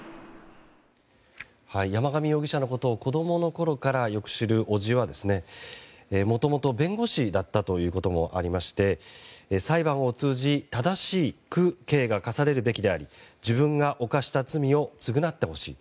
山上容疑者のことを子供のころからよく知る伯父はもともと弁護士だったということもありまして裁判を通じ正しく刑が科されるべきであり自分が犯した罪を償ってほしい。